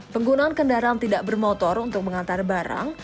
penggunaan kendaraan tidak bermotor untuk mengantar barang